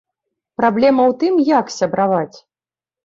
Праблема ў тым, як сябраваць.